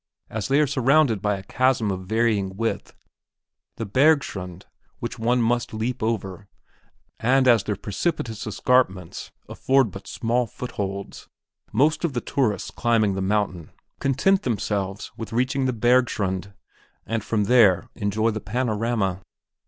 As they are surrounded by a chasm of varying width the bergschrund which one must leap over, and as their precipitous escarpments afford but small footholds, most of the tourists climbing the mountain content themselves with reaching the bergschrund and from there enjoy the panorama.